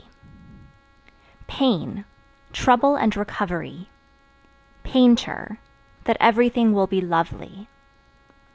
P Pain Trouble and recovery. Painter That everything will be lovely.